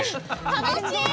楽しい！